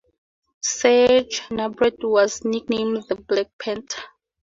Serge Nubret was nicknamed The Black Panther.